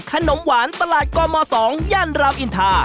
ขนมหวานตลาดกม๒ย่านรามอินทา